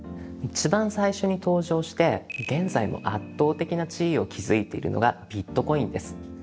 一番最初に登場して現在も圧倒的な地位を築いているのがビットコインです。